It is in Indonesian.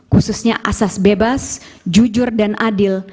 khususnya asas bebas jujur dan adil